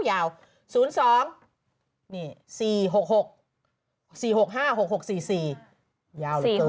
ยาวเหลือเกินเพราะคุณเนี่ย